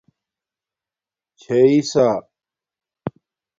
چھئیئ سݳ